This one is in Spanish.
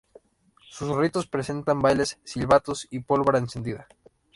Sus ritos presentan bailes, silbatos y pólvora encendida.